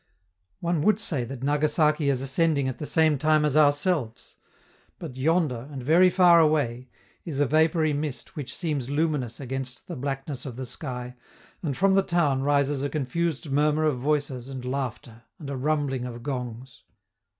One would say that Nagasaki is ascending at the same time as ourselves; but yonder, and very far away, is a vapory mist which seems luminous against the blackness of the sky, and from the town rises a confused murmur of voices and laughter, and a rumbling of gongs.